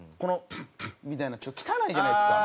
プッ！みたいなちょっと汚いじゃないですか。